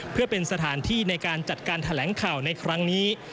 เพื่อเป็นสถานที่ในการจัดการแถลงข่าวในครั้งนี้